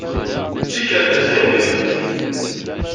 D tikerkas d ayen ibanen.